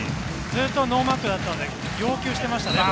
ずっとノーマークだったので要求していましたけど。